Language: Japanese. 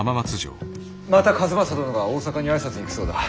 また数正殿が大坂に挨拶に行くそうだ。